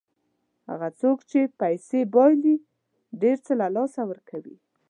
هغه څوک چې پیسې بایلي ډېر څه له لاسه ورکوي.